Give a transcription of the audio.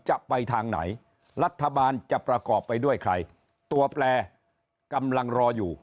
จะไปทางไหนรัฐบาลจะประกอบไปด้วยใครตัวแปลกำลังรออยู่